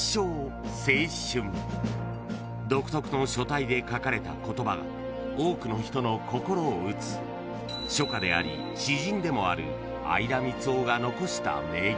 ［独特の書体で書かれた言葉が多くの人の心を打つ書家であり詩人でもある相田みつをが残した名言］